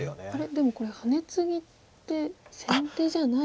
でもこれハネツギって先手じゃない。